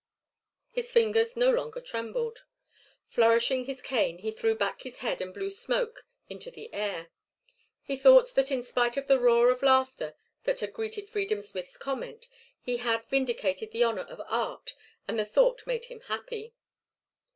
His fingers no longer trembled. Flourishing his cane he threw back his head and blew smoke into the air. He thought that in spite of the roar of laughter that had greeted Freedom Smith's comment, he had vindicated the honour of art and the thought made him happy.